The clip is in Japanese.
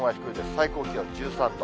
最高気温１３度。